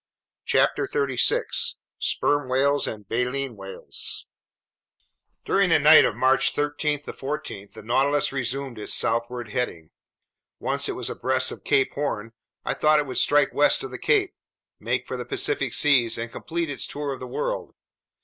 CHAPTER 12 Sperm Whales and Baleen Whales DURING THE NIGHT of March 13 14, the Nautilus resumed its southward heading. Once it was abreast of Cape Horn, I thought it would strike west of the cape, make for Pacific seas, and complete its tour of the world.